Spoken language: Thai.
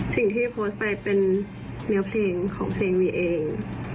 โยโพสต์ไปเป็นเนื้อเพลงของเพลงนี้เอง